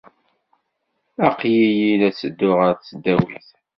Aql-iyi la ttedduɣ ɣer tesdawit.